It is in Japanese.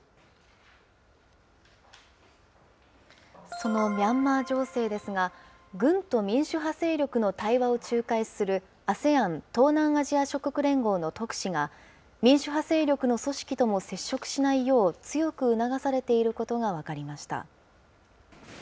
そのミャンマー情勢ですが、軍と民主派勢力の対話を仲介するＡＳＥＡＮ・東南アジア諸国連合の特使が、民主派勢力の組織とも接触しないよう、強く促されていることが分かりました。